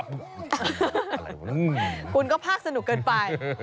คุณก็ภาคสนุกเกินไป